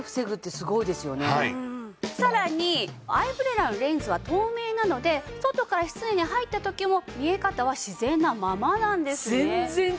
さらにアイブレラのレンズは透明なので外から室内に入った時も見え方は自然なままなんですね。